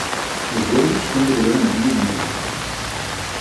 Los huevos son de color amarillo-limón.